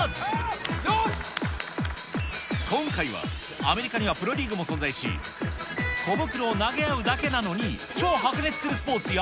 今回は、アメリカにはプロリーグも存在し、小袋を投げ合うだけなのに、超白熱するスポーツや。